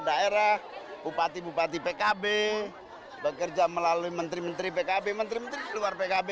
daerah bupati bupati pkb bekerja melalui menteri menteri pkb menteri menteri di luar pkb